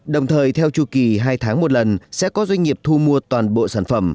đồng thời theo chu kỳ hai tháng một lần sẽ có doanh nghiệp thu mua toàn bộ sản phẩm